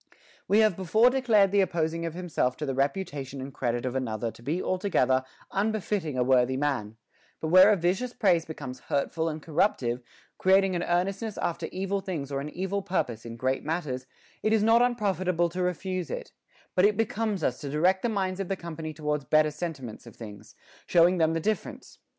17. We have before declared the opposing of himself to the reputation and credit of another to be altogether unbe fitting a worthy man ; but where a vicious praise becomes hurtful and corruptive, creating an earnestness after evil things or an evil purpose in great matters, it is not un profitable to refuse it ; but it becomes us to direct the minds of the company towards better sentiments of things, showing them the difference.